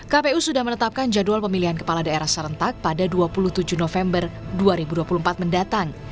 kpu sudah menetapkan jadwal pemilihan kepala daerah serentak pada dua puluh tujuh november dua ribu dua puluh empat mendatang